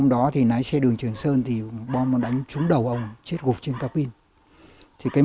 đó mình lái xe đường trường sơn thì bom nó đánh trúng đầu ông chết gục trên cao pin thì cái